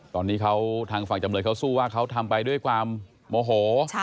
ตอนนี้เขาทางฝั่งจำเลยเขาสู้ว่าเขาทำไปด้วยความโมโห